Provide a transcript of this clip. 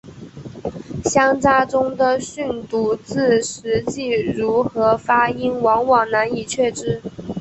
乡札中的训读字实际如何发音往往难以确知。